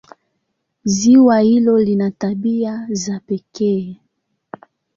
Ziwa hilo lina tabia za pekee.